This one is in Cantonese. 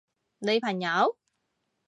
你朋友？